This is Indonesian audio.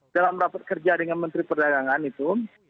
dalam rapat kerja dengan menteri perdagangan itu